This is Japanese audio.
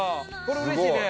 これうれしいね。